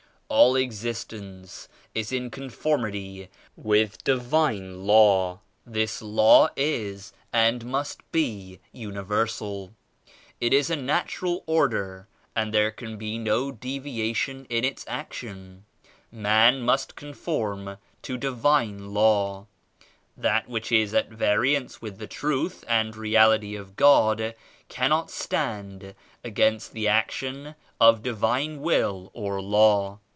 "All existence is in conformity with Divine Law. This Law is and must be universal. It is a natural order and there can be no deviation in its action. Man must conform to Divine Law. That which is at variance with the Truth and Reality of God cannot stand against the action of Divine Will or Law.